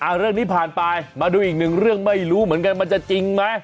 เรื่องนี้ผ่านไปมาดูอีกหนึ่งเรื่องไม่รู้เหมือนกันมันจะจริงไหม